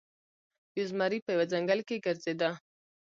یو زمری په یوه ځنګل کې ګرځیده.